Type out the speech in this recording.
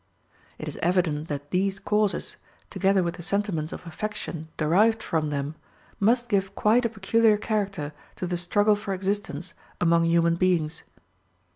It is evident that these causes, together with the sentiments of affection derived from them, must give quite a peculiar character to the struggle for existence among human beings.